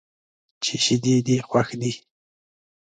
چې شیدې دې خوښ دي.